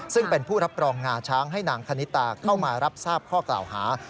ซึ่งเป็นผู้รับรองงาช้างให้นางคณิตาเข้ามารับทราบข้อกล่าวหา